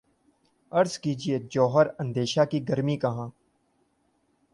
عرض کیجے جوہر اندیشہ کی گرمی کہاں